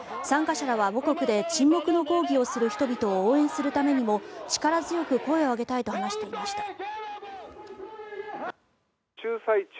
参加者らは母国で沈黙の抗議をする人々を応援するためにも力強く声を上げたいと話していました。